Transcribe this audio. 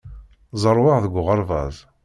Zerrweɣ deg uɣerbaz.